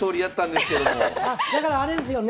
僕だからあれですよね